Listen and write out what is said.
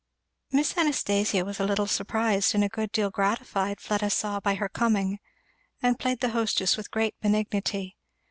Miss Anastasia was a little surprised and a good deal gratified, Fleda saw, by her coming, and played the hostess with great benignity.